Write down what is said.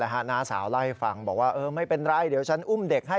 น้าสาวเล่าให้ฟังบอกว่าไม่เป็นไรเดี๋ยวฉันอุ้มเด็กให้